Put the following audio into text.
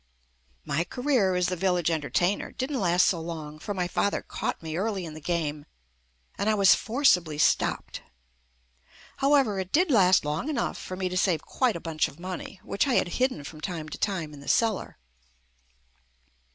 My career as the village entertainer didn't last so long for my father caught me early in the game and I was forcibly stopped. However, it did last long enough for me to save quite a bunch of money, which I had hid den from time to time in the cellar.